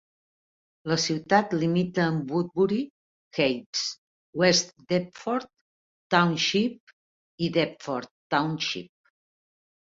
La ciutat limita amb Woodbury Heights, West Deptford Township i Deptford Township.